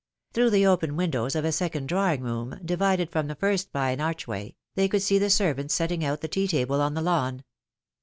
Through the open windows of a second drawing room, divided from the first by an archway, they could see the servants setting out the tea table on the lawn.